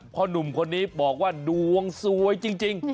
หนุ่มคนนี้บอกว่าดวงสวยจริง